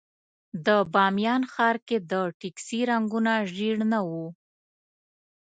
د بامیان ښار کې د ټکسي رنګونه ژېړ نه وو.